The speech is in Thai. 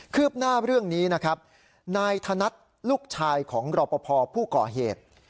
ืบหน้าเรื่องนี้นะครับนายธนัดลูกชายของรอปภผู้ก่อเหตุ